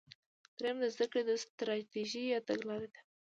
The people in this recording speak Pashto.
دریم د زده کړې ستراتیژي یا تګلاره ده.